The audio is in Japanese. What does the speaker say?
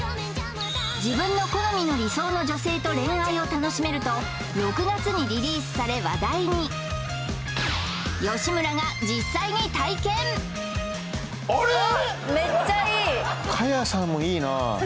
自分の好みの理想の女性と恋愛を楽しめると６月にリリースされ話題に実際にえ？